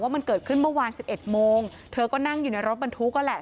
มันเกิดขึ้นเมื่อวาน๑๑โมงเธอก็นั่งอยู่ในรถบรรทุกนั่นแหละ